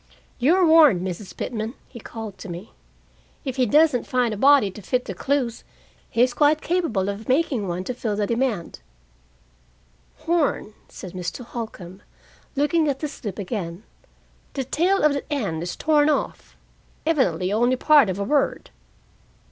"You are warned, Mrs. Pitman," he called to me. "If he doesn't find a body to fit the clues, he's quite capable of making one to fill the demand." "Horn " said Mr. Holcombe, looking at the slip again. "The tail of the 'n' is torn off evidently only part of a word.